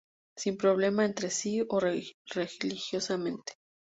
Sin problemas entre sí o religiosamente.